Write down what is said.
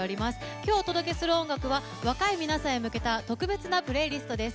今日お届けする音楽は若い皆さんへ向けた特別なプレイリストです。